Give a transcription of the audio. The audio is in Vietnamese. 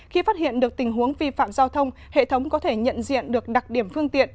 khi phát hiện được tình huống vi phạm giao thông hệ thống có thể nhận diện được đặc điểm phương tiện